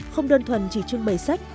không đơn thuần chỉ trưng bày sách